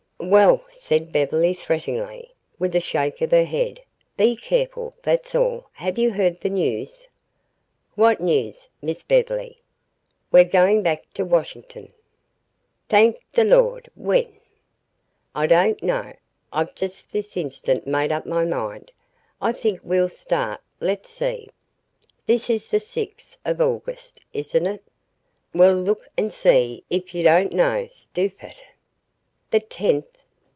"Well," said Beverly threateningly, with a shake of her head, "be careful, that's all. Have you heard the news?" "Wha' news, Miss Bev'ly?" "We're going back to Washin'ton." "Thank de Lawd! When?" "I don't know. I've just this instant made up my mind. I think we'll start let's see: this is the sixth of August, isn't it? Well, look and see, if you don't know, stupid. The tenth?